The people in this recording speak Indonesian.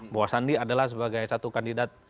bahwa sandi adalah sebagai satu kandidat